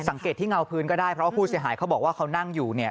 สังเกตที่เงาพื้นก็ได้เพราะว่าผู้เสียหายเขาบอกว่าเขานั่งอยู่เนี่ย